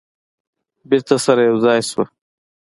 بیرته سره یو ځای شوه.